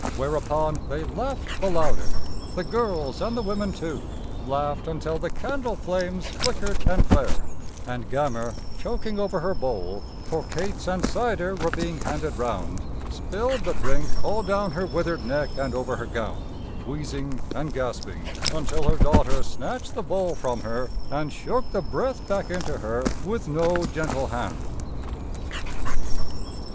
Whereupon they laughed the louder, the girls and the women too laughed until the candle flames flickered and flared, and Gammer, choking over her bowl, for cates and cider were being handed round, spilled the drink all down her withered neck and over her gown, wheezing and gasping until her daughter snatched the bowl from her and shook the breath back into her with no gentle hand.